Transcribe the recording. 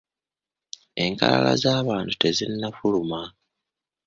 Enkalala ez’abantu tezinnafuluma.